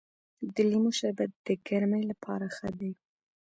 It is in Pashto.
د لیمو شربت د ګرمۍ لپاره ښه دی.